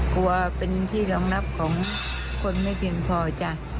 กลัวเป็นที่รองรับของคนไม่เพียงพอจ้ะ